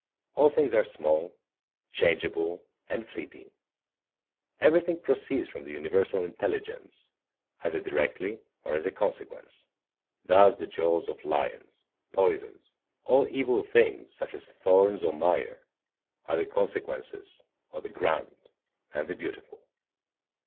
All things are small, changeable, and fleeting. Everything proceeds from the universal intelligence, either directly or as a consequence. Thus, the jaws of lions, poisons, all evil things such as thorns or mire, are the consequences of the grand and the beautiful.